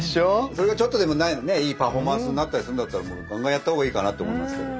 それがちょっとでもいいパフォーマンスになったりするんだったらガンガンやった方がいいかなって思いますけど。